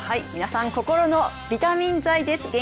皆さん、心のビタミン剤です